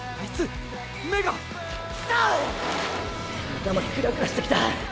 頭クラクラしてきた。